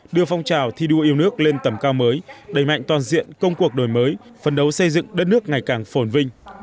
đưa phong trào thi đua yêu nước lên tầm cao mới đẩy mạnh toàn diện công cuộc đổi mới phấn đấu xây dựng đất nước ngày càng phổn vinh